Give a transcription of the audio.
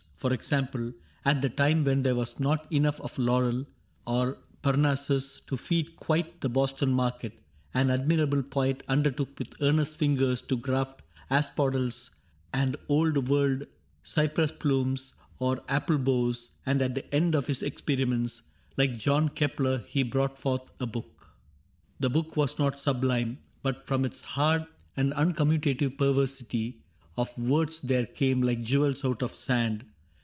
For example :— "At the time when there was not enough of laurel On Parnassus to feed quite the Boston market. An admirable poet undertook With earnest fingers to graft asphodels And old world cypress plumes on apple boughs ; And at the end of his experiments, Like Johann Kepler, he brought forth a book. The book was not sublime, but from its hard And uncommutative perversity Of words there came, like jewels out of sand.